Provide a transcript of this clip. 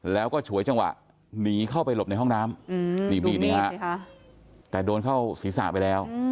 แล้วก็ฉวยจังหวะหนีเข้าไปหลบในห้องน้ำแต่โดนเข้าศีรษะไปแล้ว